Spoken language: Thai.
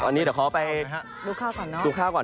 ตอนนี้เดี๋ยวขอไปดูข้าวก่อน